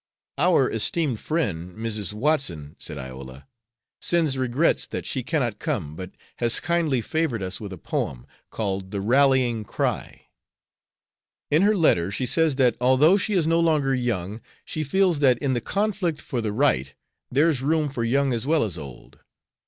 "Our esteemed friend, Mrs. Watson," said Iola, "sends regrets that she cannot come, but has kindly favored us with a poem, called the "Rallying Cry." In her letter she says that, although she is no longer young, she feels that in the conflict for the right there's room for young as well as old.